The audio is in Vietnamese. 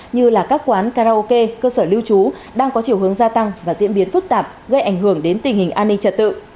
như là các quán karaoke cơ sở lưu trú đang có chiều hướng gia tăng và diễn biến phức tạp gây ảnh hưởng đến tình hình an ninh trật tự